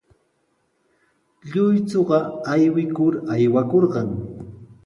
Lluychuqa aywikur aywakurqan.